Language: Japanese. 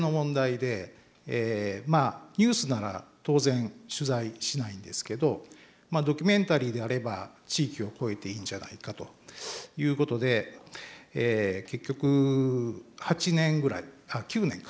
まあニュースなら当然取材しないんですけどドキュメンタリーであれば地域を越えていいんじゃないかということで結局８年ぐらい９年か。